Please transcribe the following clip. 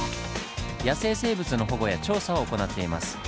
野生生物の保護や調査を行っています。